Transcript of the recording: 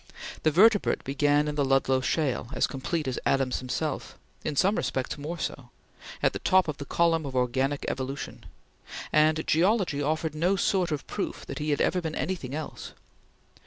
The vertebrate began in the Ludlow shale, as complete as Adams himself in some respects more so at the top of the column of organic evolution: and geology offered no sort of proof that he had ever been anything else.